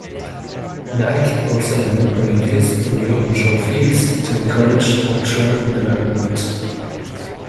The Act also ended royalties for new onshore fields to encourage onshore development.